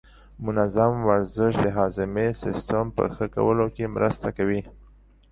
منظم ورزش د هاضمې سیستم په ښه کولو کې مرسته کوي.